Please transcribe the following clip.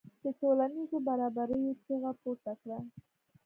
د ټولنیزو برابریو چیغه پورته کړه.